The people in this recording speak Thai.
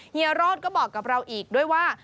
เฮีโรธก็บอกกับเราอีกด้วยว่า